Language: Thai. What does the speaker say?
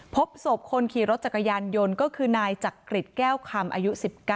พบศพคนขี่รถจักรยานยนต์ก็คือนายจักริจแก้วคำอายุ๑๙